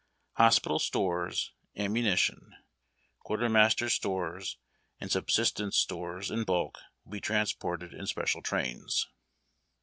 Hospital stores, ammunition. Quartermaster's Stores, and subsistence stores in bulk will be transported in special trains.